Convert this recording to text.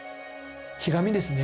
ひがみですね。